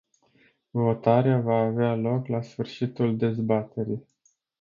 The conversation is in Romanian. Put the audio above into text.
Votarea va avea loc la sfârșitul dezbaterii.